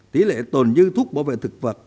tỷ lệ tồn dư thuốc bảo vệ thực vật